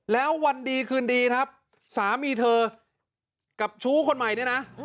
แล้ววันดีคืนดีครับสามีเธอกับชู้คนใหม่เนี่ยนะ